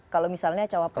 kalau misalnya jawabannya